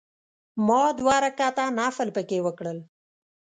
ما دوه رکعته نفل په کې وکړل.